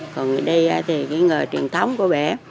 còn ở đây thì cái nghề truyền thống của bé